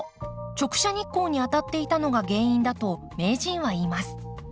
直射日光に当たっていたのが原因だと名人は言います。